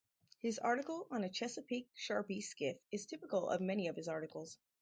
His article on a Chesapeake sharpie skiff is typical of many of his articles.